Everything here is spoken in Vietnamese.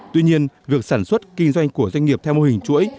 tuy nhiên việc sản xuất kinh doanh của doanh nghiệp theo mô hình chuỗi